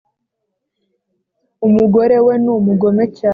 Umugorewe numugome cyane